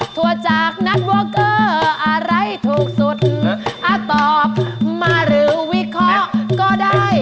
ถั่วจากนั้นวอเกอร์อะไรถูกสุดถ้าตอบมาหรือวิเคราะห์ก็ได้